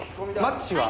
マッチは？